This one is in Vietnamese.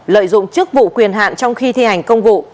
lợi dụng chức vụ quyền hạn trong khi thi hành công vụ